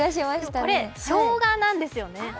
でもこれ、しょうがなんですよね。